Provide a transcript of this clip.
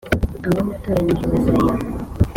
Abo natoranyije bazayiragwa